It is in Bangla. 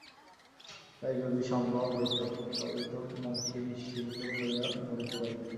তাই যদি সম্ভব হইত তবে তো বংশী নিশ্চিন্ত হইয়া মরিতে পারিত।